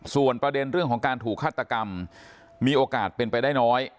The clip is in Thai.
ส่วนประเด็นเรื่องของการถูกฆาตกรรมมีโอกาสเป็นไปได้น้อย